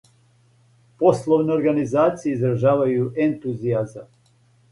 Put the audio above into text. Пословне организације изражавају ентузијазам.